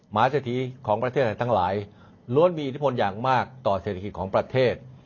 หมาเศรษฐีของประเทศอะไรทั้งหลายล้วนมีอิทธิพลอย่างมากต่อเศรษฐกิจของประเทศ